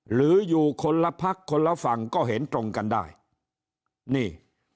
หรืออยู่คนละพักคนละฝั่งก็เห็นตรงกันได้นี่